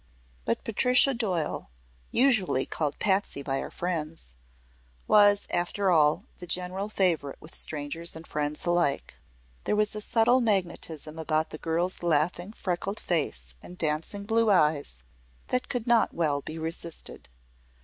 But Patricia Doyle usually called "Patsy" by her friends was after all the general favorite with strangers and friends alike. There was a subtle magnetism about the girl's laughing, freckled face and dancing blue eyes that could not well be resisted.